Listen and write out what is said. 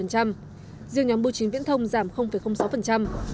riêng nhóm bưu chính viễn thông giảm sáu